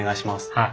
はい。